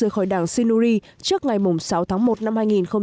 rời khỏi đảng senuri trước ngày sáu tháng một năm hai nghìn một mươi bảy